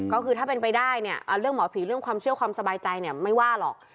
ก็คือถ้าเป็นไปได้เรื่องหมอผีเรื่องความเชี่ยวความสบายใจไม่ว่าหรอก